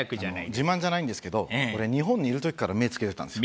自慢じゃないんですけど俺日本にいる時から目付けてたんですよ。